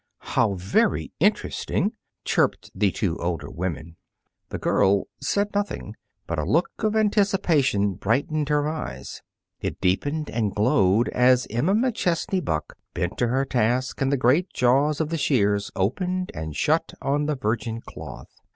"How very interesting!" chirped the two older women. The girl said nothing, but a look of anticipation brightened her eyes. It deepened and glowed as Emma McChesney Buck bent to her task and the great jaws of the shears opened and shut on the virgin cloth.